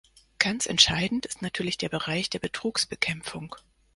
Ganz entscheidend ist natürlich der Bereich der Betrugsbekämpfung.